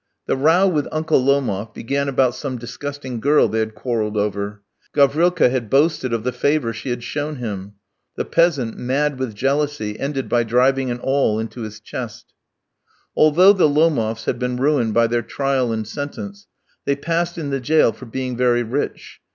The row with Uncle Lomof began about some disgusting girl they had quarrelled over. Gavrilka had boasted of the favour she had shown him. The peasant, mad with jealousy, ended by driving an awl into his chest. Although the Lomofs had been ruined by their trial and sentence, they passed in the jail for being very rich.